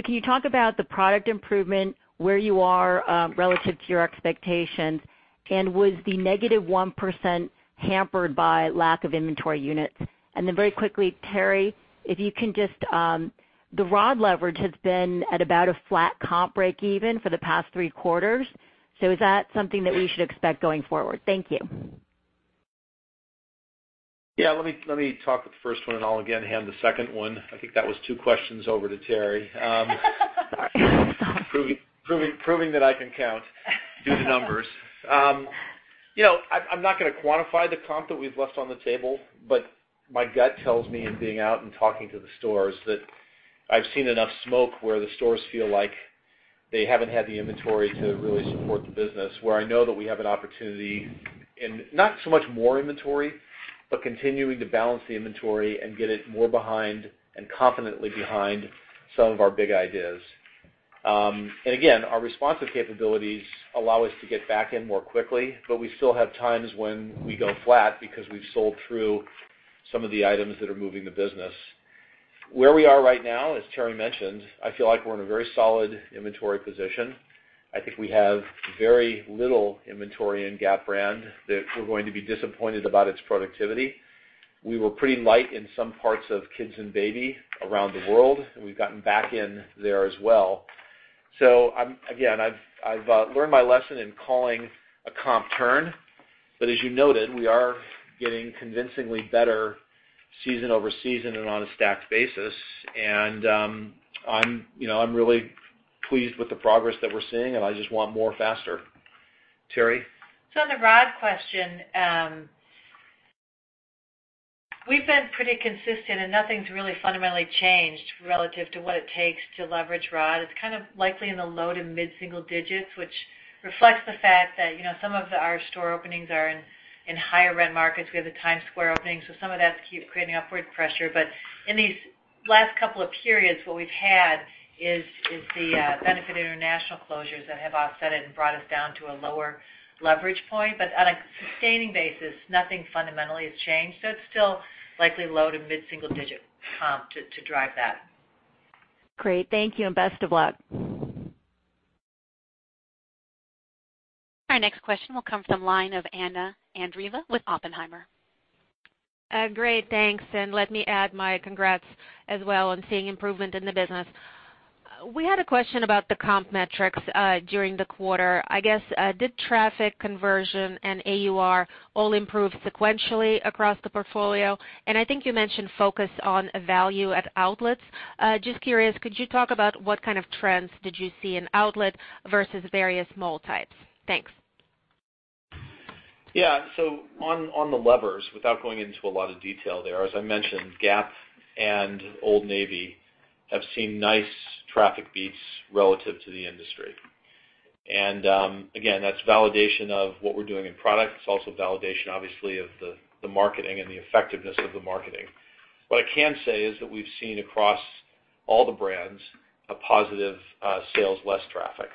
Can you talk about the product improvement, where you are relative to your expectations, and was the negative 1% hampered by lack of inventory units? Then very quickly, Teri, the ROD leverage has been at about a flat comp break even for the past three quarters. Is that something that we should expect going forward? Thank you. Yeah. Let me talk with the first one and I'll again hand the second one, I think that was two questions, over to Teri. Sorry. Proving that I can count, do the numbers. I'm not going to quantify the comp that we've left on the table, but my gut tells me in being out and talking to the stores, that I've seen enough smoke where the stores feel like they haven't had the inventory to really support the business, where I know that we have an opportunity in not so much more inventory, but continuing to balance the inventory and get it more behind and confidently behind some of our big ideas. Again, our responsive capabilities allow us to get back in more quickly, but we still have times when we go flat because we've sold through some of the items that are moving the business. Where we are right now, as Teri mentioned, I feel like we're in a very solid inventory position. I think we have very little inventory in Gap brand that we're going to be disappointed about its productivity. We were pretty light in some parts of kids and baby around the world, and we've gotten back in there as well. Again, I've learned my lesson in calling a comp turn, but as you noted, we are getting convincingly better season over season and on a stacked basis. I'm really pleased with the progress that we're seeing, and I just want more faster. Teri? On the ROD question, we've been pretty consistent and nothing's really fundamentally changed relative to what it takes to leverage ROD. It's likely in the low to mid-single digits, which reflects the fact that some of our store openings are in higher rent markets. We have the Times Square opening, so some of that's creating upward pressure. In these last couple of periods, what we've had is the Benefit international closures that have offset it and brought us down to a lower leverage point. On a sustaining basis, nothing fundamentally has changed. It's still likely low to mid-single digit comp to drive that. Great. Thank you, and best of luck. Our next question will come from the line of Anna Andreeva with Oppenheimer. Great, thanks. Let me add my congrats as well on seeing improvement in the business. We had a question about the comp metrics during the quarter. I guess, did traffic conversion and AUR all improve sequentially across the portfolio? I think you mentioned focus on value at outlets. Just curious, could you talk about what kind of trends did you see in outlet versus various mall types? Thanks. Yeah. On the levers, without going into a lot of detail there, as I mentioned, Gap and Old Navy have seen nice traffic beats relative to the industry. Again, that's validation of what we're doing in product. It's also validation, obviously, of the marketing and the effectiveness of the marketing. What I can say is that we've seen across all the brands, a positive sales less traffic.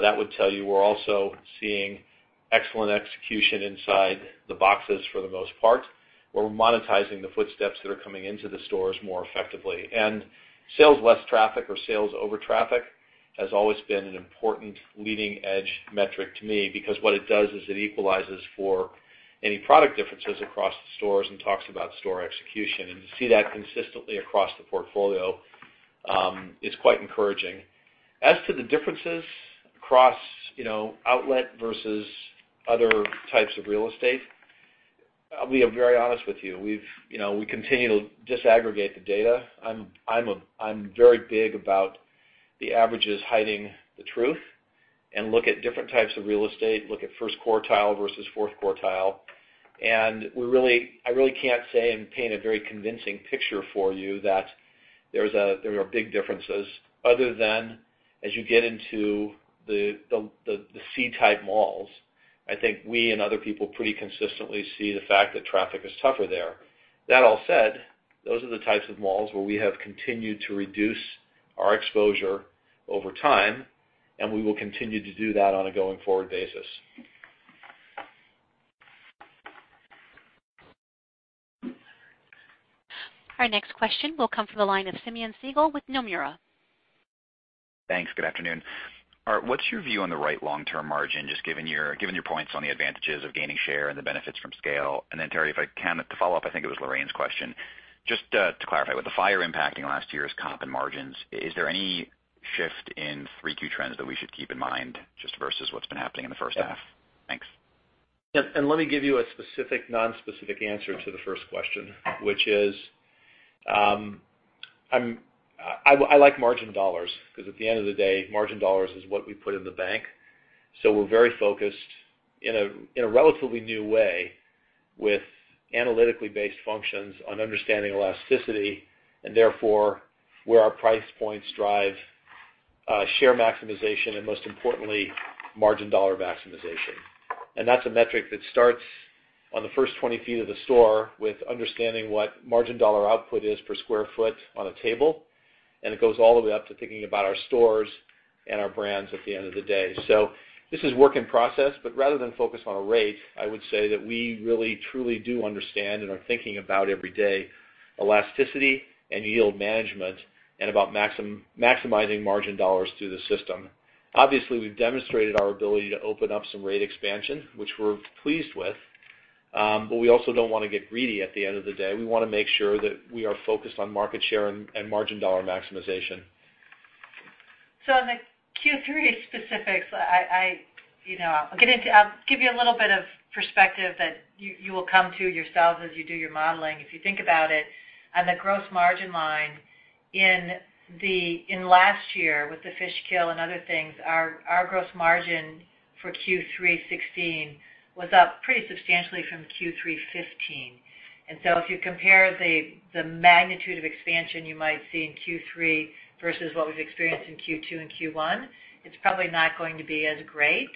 That would tell you we're also seeing excellent execution inside the boxes for the most part, where we're monetizing the footsteps that are coming into the stores more effectively. Sales less traffic or sales over traffic has always been an important leading edge metric to me because what it does is it equalizes for any product differences across the stores and talks about store execution. To see that consistently across the portfolio, is quite encouraging. As to the differences across outlet versus other types of real estate, I'll be very honest with you. We continue to disaggregate the data. I'm very big about the averages hiding the truth, and look at different types of real estate, look at first quartile versus fourth quartile. I really can't say and paint a very convincing picture for you that there are big differences other than as you get into the C-type malls. I think we and other people pretty consistently see the fact that traffic is tougher there. That all said, those are the types of malls where we have continued to reduce our exposure over time, and we will continue to do that on a going-forward basis. Our next question will come from the line of Simeon Siegel with Nomura. Thanks. Good afternoon. Art, what's your view on the right long-term margin, just given your points on the advantages of gaining share and the benefits from scale? Teri, if I can, to follow up, I think it was Lorraine's question. Just to clarify, with the fire impacting last year's comp and margins, is there any shift in Q3 trends that we should keep in mind just versus what's been happening in the first half? Thanks. Let me give you a specific non-specific answer to the first question, which is, I like margin dollars, because at the end of the day, margin dollars is what we put in the bank. We're very focused in a relatively new way with analytically based functions on understanding elasticity, and therefore, where our price points drive share maximization and most importantly, margin dollar maximization. That's a metric that starts on the first 20 feet of the store with understanding what margin dollar output is per sq ft on a table, and it goes all the way up to thinking about our stores and our brands at the end of the day. This is work in process, but rather than focus on a rate, I would say that we really truly do understand and are thinking about every day elasticity and yield management and about maximizing margin dollars through the system. Obviously, we've demonstrated our ability to open up some rate expansion, which we're pleased with. We also don't want to get greedy at the end of the day. We want to make sure that we are focused on market share and margin dollar maximization. On the Q3 specifics, I'll give you a little bit of perspective that you will come to yourselves as you do your modeling. If you think about it, on the gross margin line in last year with the Fishkill and other things, our gross margin for Q3 2016 was up pretty substantially from Q3 2015. If you compare the magnitude of expansion you might see in Q3 versus what we've experienced in Q2 and Q1, it's probably not going to be as great.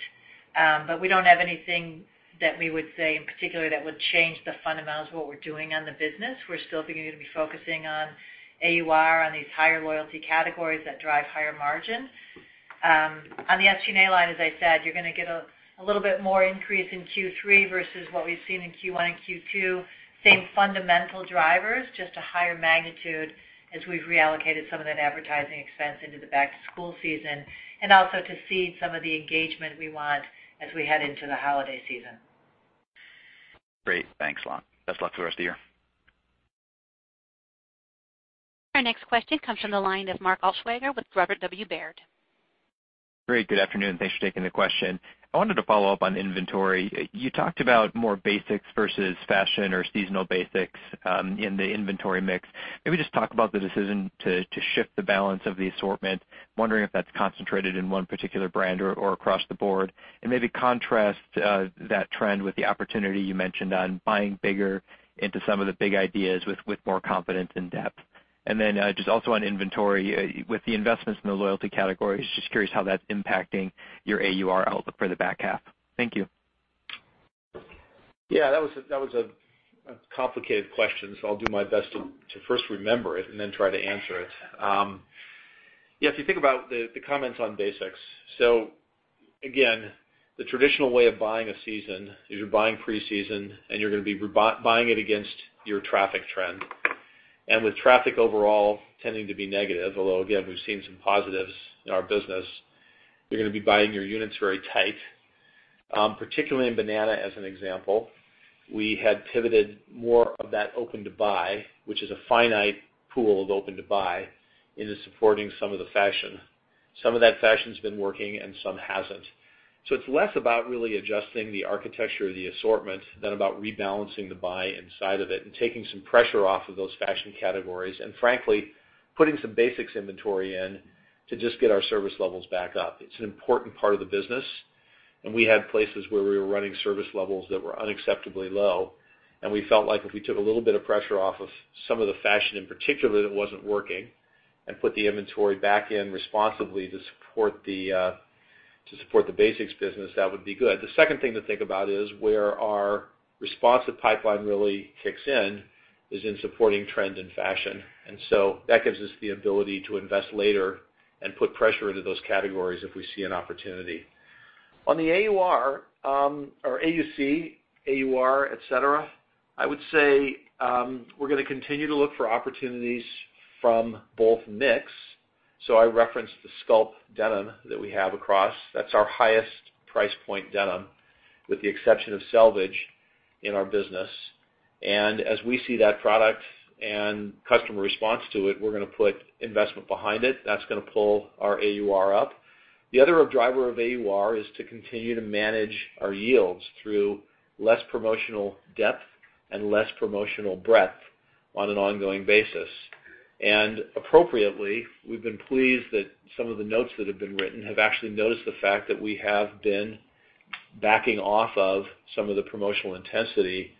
We don't have anything that we would say in particular that would change the fundamentals of what we're doing on the business. We're still going to be focusing on AUR on these higher loyalty categories that drive higher margin. On the SG&A line, as I said, you're going to get a little bit more increase in Q3 versus what we've seen in Q1 and Q2. Same fundamental drivers, just a higher magnitude as we've reallocated some of that advertising expense into the back-to-school season, and also to seed some of the engagement we want as we head into the holiday season. Great. Thanks a lot. Best of luck for the rest of the year. Our next question comes from the line of Mark Altschwager with Robert W. Baird. Great. Good afternoon. Thanks for taking the question. I wanted to follow up on inventory. You talked about more basics versus fashion or seasonal basics in the inventory mix. Just talk about the decision to shift the balance of the assortment. Wondering if that's concentrated in one particular brand or across the board. Just also on inventory, with the investments in the loyalty categories, just curious how that's impacting your AUR outlook for the back half. Thank you. That was a complicated question, I'll do my best to first remember it and then try to answer it. If you think about the comments on basics. Again, the traditional way of buying a season is you're buying pre-season, and you're going to be buying it against your traffic trend. With traffic overall tending to be negative, although, again, we've seen some positives in our business, you're going to be buying your units very tight. Particularly in Banana, as an example, we had pivoted more of that open to buy, which is a finite pool of open to buy, into supporting some of the fashion. Some of that fashion's been working and some hasn't. It's less about really adjusting the architecture of the assortment than about rebalancing the buy inside of it and taking some pressure off of those fashion categories. Frankly, putting some basics inventory in to just get our service levels back up. It's an important part of the business, and we had places where we were running service levels that were unacceptably low, and we felt like if we took a little bit of pressure off of some of the fashion in particular that wasn't working and put the inventory back in responsibly to support the basics business, that would be good. The second thing to think about is where our responsive pipeline really kicks in is in supporting trend and fashion. That gives us the ability to invest later and put pressure into those categories if we see an opportunity. On the AUR, or AUC, AUR, et cetera, I would say we're going to continue to look for opportunities from both mix. I referenced the sculpt denim that we have across. That's our highest price point denim, with the exception of selvedge in our business. As we see that product and customer response to it, we're going to put investment behind it. That's going to pull our AUR up. The other driver of AUR is to continue to manage our yields through less promotional depth and less promotional breadth on an ongoing basis. Appropriately, we've been pleased that some of the notes that have been written have actually noticed the fact that we have been backing off of some of the promotional intensity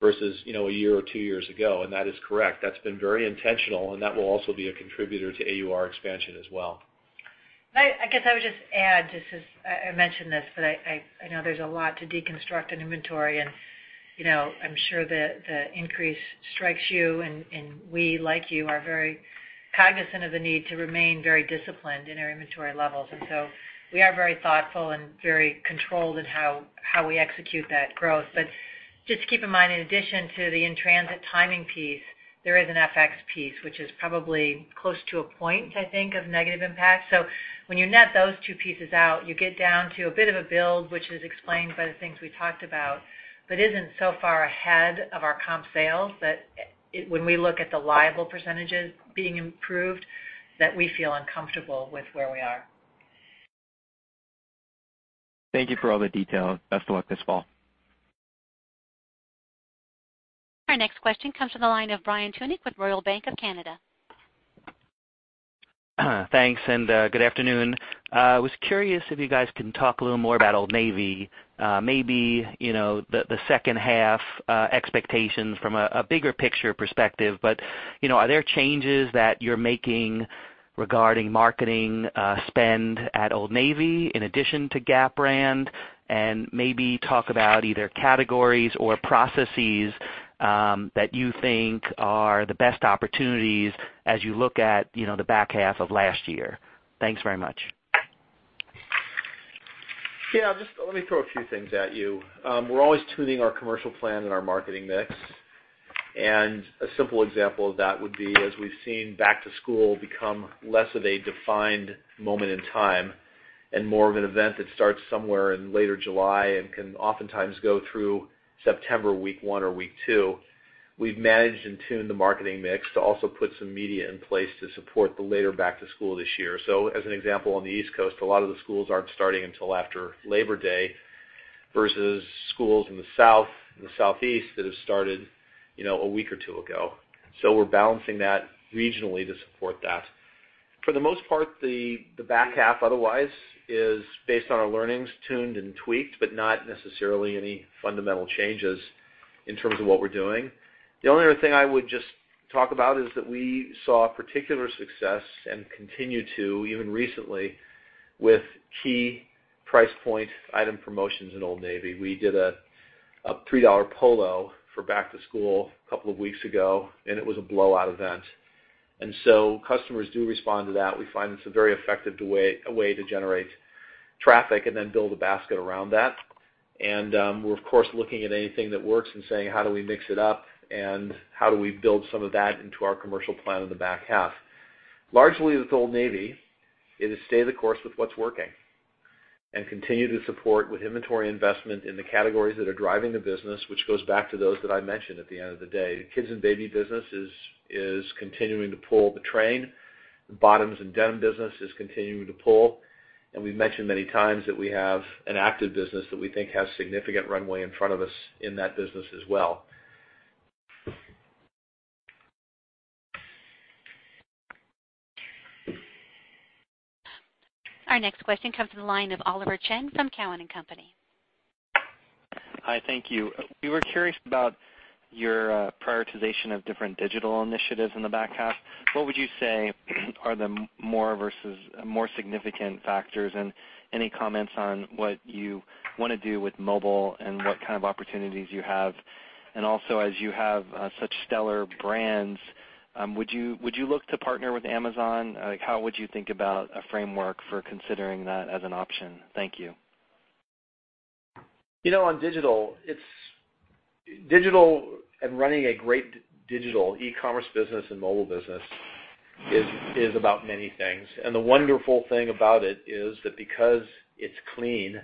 versus a year or two years ago. That is correct. That's been very intentional, and that will also be a contributor to AUR expansion as well. I guess I would just add, just as I mentioned this, but I know there's a lot to deconstruct in inventory and I'm sure the increase strikes you and we, like you, are very cognizant of the need to remain very disciplined in our inventory levels. We are very thoughtful and very controlled in how we execute that growth. Just keep in mind, in addition to the in-transit timing piece, there is an FX piece, which is probably close to a point, I think, of negative impact. When you net those two pieces out, you get down to a bit of a build, which is explained by the things we talked about Isn't so far ahead of our comp sales that when we look at the liable percentages being improved, that we feel uncomfortable with where we are. Thank you for all the detail. Best of luck this fall. Our next question comes from the line of Brian Tunick with Royal Bank of Canada. Thanks, and good afternoon. I was curious if you guys can talk a little more about Old Navy, maybe the second half expectations from a bigger picture perspective. Are there changes that you're making regarding marketing spend at Old Navy in addition to Gap? Maybe talk about either categories or processes that you think are the best opportunities as you look at the back half of last year. Thanks very much. Yeah. Just let me throw a few things at you. We're always tuning our commercial plan and our marketing mix. A simple example of that would be, as we've seen, back to school become less of a defined moment in time and more of an event that starts somewhere in later July and can oftentimes go through September week one or week two. We've managed and tuned the marketing mix to also put some media in place to support the later back to school this year. As an example, on the East Coast, a lot of the schools aren't starting until after Labor Day versus schools in the South and the Southeast that have started a week or two ago. We're balancing that regionally to support that. For the most part, the back half otherwise is based on our learnings, tuned and tweaked, but not necessarily any fundamental changes in terms of what we're doing. The only other thing I would just talk about is that we saw particular success and continue to, even recently, with key price point item promotions in Old Navy. We did a $3 polo for back to school a couple of weeks ago, and it was a blowout event. Customers do respond to that. We find it's a very effective way to generate traffic and then build a basket around that. We're of course, looking at anything that works and saying, how do we mix it up, and how do we build some of that into our commercial plan in the back half. Largely with Old Navy, it is stay the course with what's working and continue to support with inventory investment in the categories that are driving the business, which goes back to those that I mentioned at the end of the day. The kids and baby business is continuing to pull the train. The bottoms and denim business is continuing to pull. We've mentioned many times that we have an active business that we think has significant runway in front of us in that business as well. Our next question comes from the line of Oliver Chen from Cowen and Company. Hi, thank you. We were curious about your prioritization of different digital initiatives in the back half. What would you say are the more significant factors, and any comments on what you want to do with mobile and what kind of opportunities you have? Also, as you have such stellar brands, would you look to partner with Amazon? How would you think about a framework for considering that as an option? Thank you. Digital, digital and running a great digital e-commerce business and mobile business is about many things. The wonderful thing about it is that because it's clean,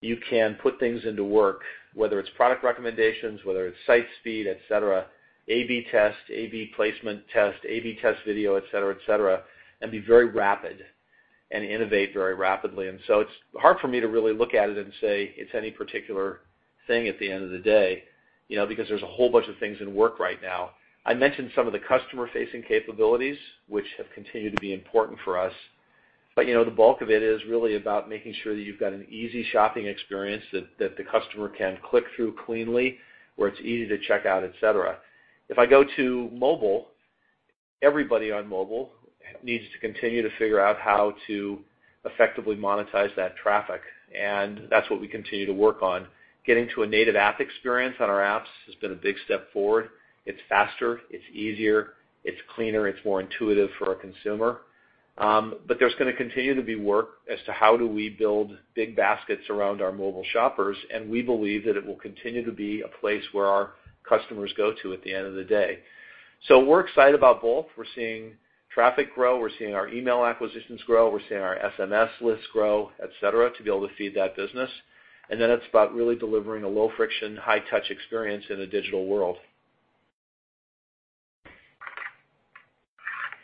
you can put things into work, whether it's product recommendations, whether it's site speed, et cetera, A/B test, A/B placement test, A/B test video, et cetera. Be very rapid and innovate very rapidly. It's hard for me to really look at it and say it's any particular thing at the end of the day because there's a whole bunch of things in work right now. I mentioned some of the customer-facing capabilities, which have continued to be important for us. The bulk of it is really about making sure that you've got an easy shopping experience that the customer can click through cleanly, where it's easy to check out, et cetera. If I go to mobile, everybody on mobile needs to continue to figure out how to effectively monetize that traffic, and that's what we continue to work on. Getting to a native app experience on our apps has been a big step forward. It's faster, it's easier, it's cleaner, it's more intuitive for a consumer. There's going to continue to be work as to how do we build big baskets around our mobile shoppers, and we believe that it will continue to be a place where our customers go to at the end of the day. We're excited about both. We're seeing traffic grow. We're seeing our email acquisitions grow. We're seeing our SMS lists grow, et cetera, to be able to feed that business. Then it's about really delivering a low-friction, high-touch experience in a digital world.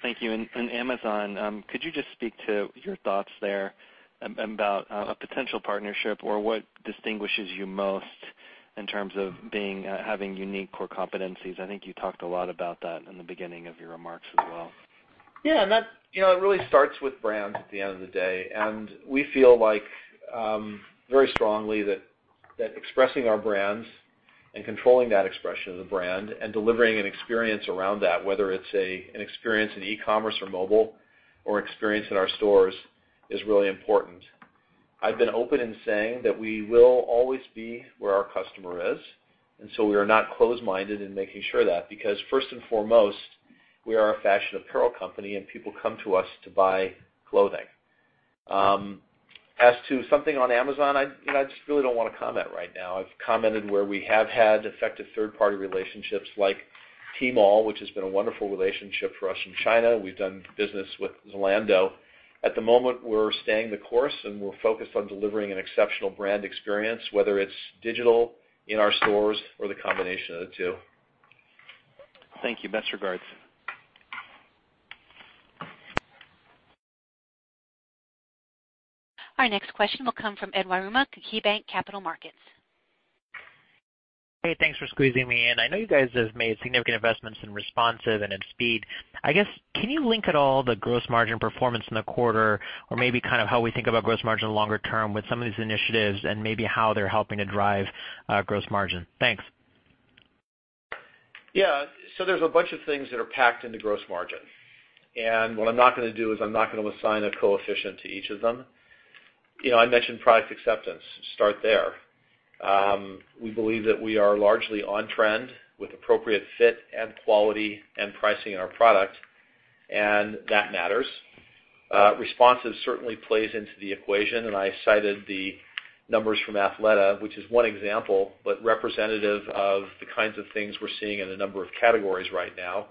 Thank you. Amazon, could you just speak to your thoughts there about a potential partnership or what distinguishes you most in terms of having unique core competencies? I think you talked a lot about that in the beginning of your remarks as well. Yeah. It really starts with brands at the end of the day. We feel very strongly that expressing our brands and controlling that expression of the brand and delivering an experience around that, whether it's an experience in e-commerce or mobile or experience in our stores, is really important. I've been open in saying that we will always be where our customer is. We are not closed-minded in making sure that. First and foremost, we are a fashion apparel company, and people come to us to buy clothing. As to something on Amazon, I just really don't want to comment right now. I've commented where we have had effective third-party relationships like Tmall, which has been a wonderful relationship for us in China. We've done business with Zalando. At the moment, we're staying the course. We're focused on delivering an exceptional brand experience, whether it's digital, in our stores, or the combination of the two. Thank you. Best regards. Our next question will come from Ed Yruma, KeyBanc Capital Markets. Hey, thanks for squeezing me in. I know you guys have made significant investments in responsive and in speed. I guess, can you link at all the gross margin performance in the quarter or maybe how we think about gross margin longer term with some of these initiatives and maybe how they're helping to drive gross margin? Thanks. Yeah. There's a bunch of things that are packed into gross margin. What I'm not going to do is I'm not going to assign a coefficient to each of them. I mentioned product acceptance. Start there. We believe that we are largely on trend with appropriate fit and quality and pricing in our product, and that matters. Responsive certainly plays into the equation, and I cited the numbers from Athleta, which is one example, but representative of the kinds of things we're seeing in a number of categories right now,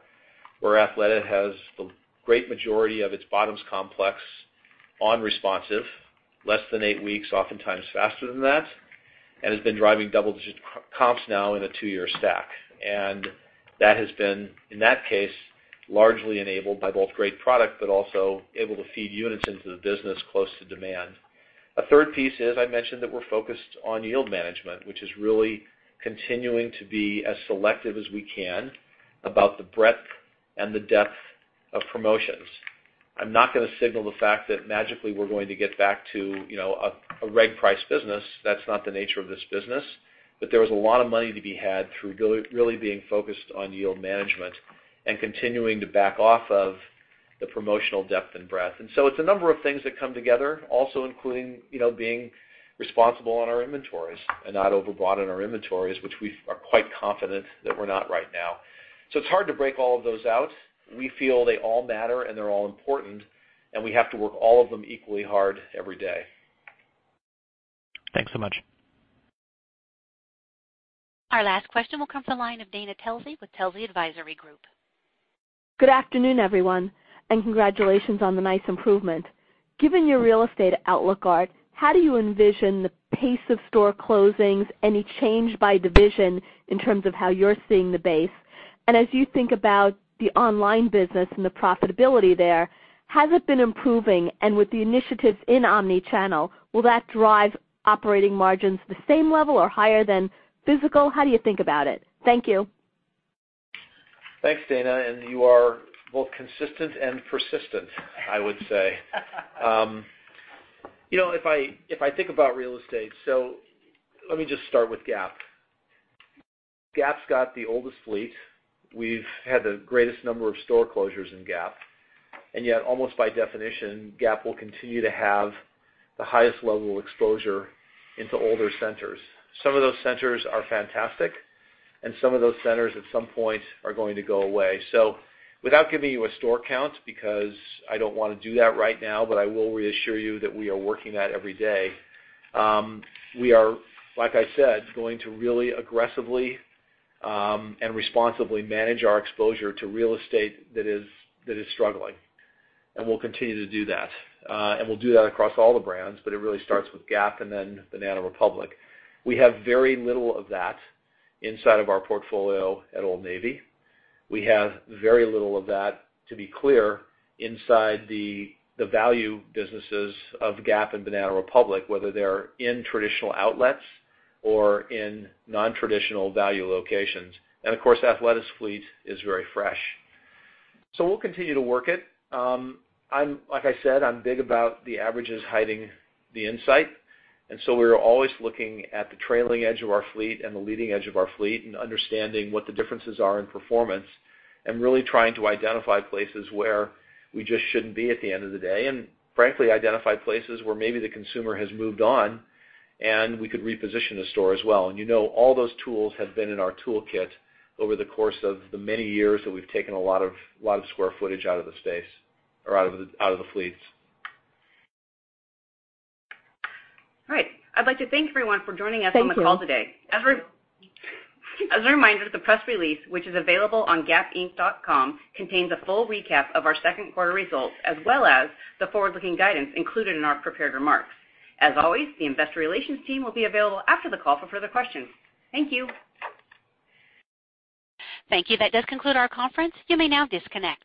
where Athleta has the great majority of its bottoms complex on responsive, less than eight weeks, oftentimes faster than that, and has been driving double-digit comps now in a two-year stack. That has been, in that case, largely enabled by both great product, but also able to feed units into the business close to demand. A third piece is I mentioned that we're focused on yield management, which is really continuing to be as selective as we can about the breadth and the depth of promotions. I'm not going to signal the fact that magically we're going to get back to a reg price business. That's not the nature of this business. There is a lot of money to be had through really being focused on yield management and continuing to back off of the promotional depth and breadth. It's a number of things that come together also including, being responsible on our inventories and not overbought in our inventories, which we are quite confident that we're not right now. It's hard to break all of those out. We feel they all matter and they're all important, and we have to work all of them equally hard every day. Thanks so much. Our last question will come from the line of Dana Telsey with Telsey Advisory Group. Good afternoon, everyone, and congratulations on the nice improvement. Given your real estate outlook, Art, how do you envision the pace of store closings, any change by division in terms of how you're seeing the base? As you think about the online business and the profitability there, has it been improving? With the initiatives in omni-channel, will that drive operating margins the same level or higher than physical? How do you think about it? Thank you. Thanks, Dana, and you are both consistent and persistent, I would say. If I think about real estate, let me just start with Gap. Gap's got the oldest fleet. We've had the greatest number of store closures in Gap. Yet almost by definition, Gap will continue to have the highest level of exposure into older centers. Some of those centers are fantastic, and some of those centers at some point are going to go away. Without giving you a store count, because I don't want to do that right now, but I will reassure you that we are working that every day. We are, like I said, going to really aggressively and responsibly manage our exposure to real estate that is struggling, and we'll continue to do that. We'll do that across all the brands, but it really starts with Gap and then Banana Republic. We have very little of that inside of our portfolio at Old Navy. We have very little of that, to be clear, inside the value businesses of Gap and Banana Republic, whether they're in traditional outlets or in non-traditional value locations. Of course, Athleta's fleet is very fresh. We'll continue to work it. Like I said, I'm big about the averages hiding the insight, we're always looking at the trailing edge of our fleet and the leading edge of our fleet and understanding what the differences are in performance and really trying to identify places where we just shouldn't be at the end of the day, and frankly, identify places where maybe the consumer has moved on and we could reposition the store as well. You know all those tools have been in our toolkit over the course of the many years that we've taken a lot of square footage out of the space or out of the fleets. All right. I'd like to thank everyone for joining us on the call today. As a reminder, the press release, which is available on gapinc.com, contains a full recap of our second quarter results as well as the forward-looking guidance included in our prepared remarks. As always, the investor relations team will be available after the call for further questions. Thank you. Thank you. That does conclude our conference. You may now disconnect.